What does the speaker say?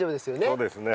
そうですね。